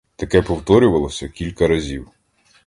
Таке повторювалося кілька разів.